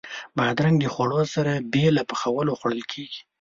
بادرنګ د خوړو سره بې له پخولو خوړل کېږي.